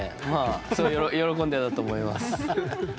すごい喜んでたと思います。